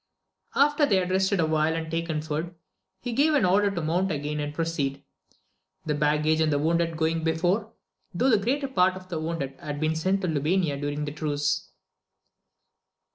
After they had rested a while and taken food, he gave order to mount AMADIS OF GAUL. 219 again and proceed, the baggage and the wounded going before, though the greater part of the wounded had been sent to Lubayna during the truce.